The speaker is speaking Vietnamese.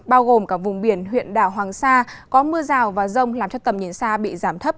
bao gồm cả vùng biển huyện đảo hoàng sa có mưa rào và rông làm cho tầm nhìn xa bị giảm thấp